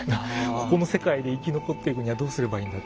「ここの世界で生き残っていくにはどうすればいいんだ」。